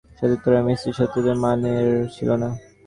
Zidane ছিল বিস্ময়কর এবং তার সতীর্থরা মেসির সতীর্থদের মানের ছিল না।